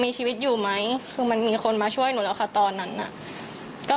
มีชีวิตอยู่ไหมคือมันมีคนมาช่วยหนูแล้วค่ะตอนนั้นน่ะก็